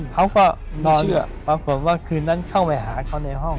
เขาก็ไม่เชื่อปรากฏว่าคืนนั้นเข้าไปหาเขาในห้อง